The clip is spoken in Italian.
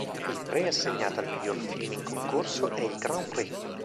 Il premio assegnato al miglior film in concorso è il Grand Prix.